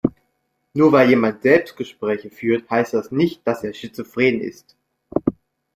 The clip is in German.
Nur weil jemand Selbstgespräche führt, heißt das nicht, dass er schizophren ist.